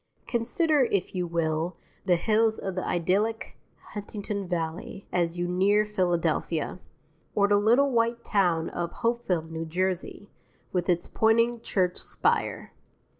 Consider, if you will, the hills of the idyllic Huntington Valley as you near Philadelphia; or the little white town of Hopewell, N.J., with its pointing church spire.